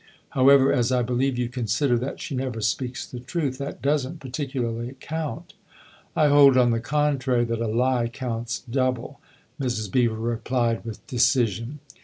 However, as I believe you consider that she never speaks the truth, that doesn't particularly count." " I hold, on the contrary, that a lie counts double," Mrs. Beever replied with decision.